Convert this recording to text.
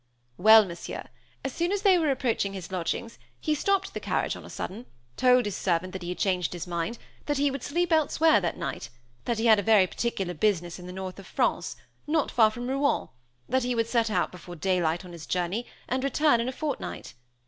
"Well, Monsieur, as soon as they were approaching his lodgings, he stopped the carriage on a sudden, told his servant that he had changed his mind; that he would sleep elsewhere that night, that he had very particular business in the north of France, not far from Rouen, that he would set out before daylight on his journey, and return in a fortnight.